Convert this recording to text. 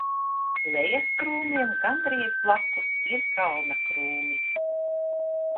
Lejas Krūmiem gandrīz blakus ir Kalna Krūmi.